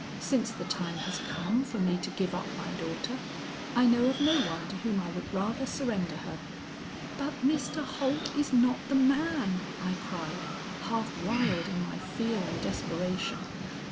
Since the time has come for me to give up my daughter, I know of no one to whom I would rather surrender her.' "'But Mr. Holt is not the man,' I cried, half wild in my fear and desperation.